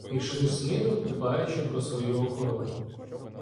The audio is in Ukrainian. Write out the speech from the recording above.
Йшли слідом, дбаючи про свою охорону.